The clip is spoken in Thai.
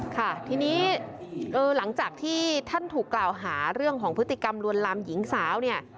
ค่ะทีนี้หลังจากที่ท่านถูกกล่าวหาเรื่องของพฤติกรรมลวนลามหญิงสาวเนี่ย